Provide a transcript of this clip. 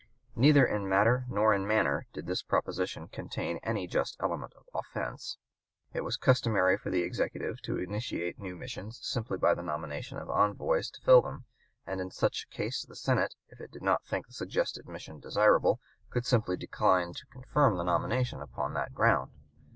Neither in matter nor in manner did this proposition contain any just element of offence. It was customary for the Executive to initiate new missions simply by the nomination of envoys to fill them; and in such case the Senate, if it did not think the suggested mission desirable, could simply decline to confirm the nomination upon that ground.